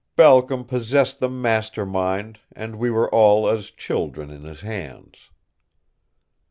Balcom possessed the master mind and we were all as children in his hands."